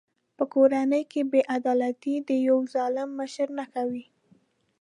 په کورنۍ کې بې عدالتي د یوه ظالم مشر نښه وي.